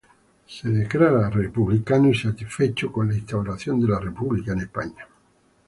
Se declara monárquico y satisfecho por la restauración de la Monarquía en España.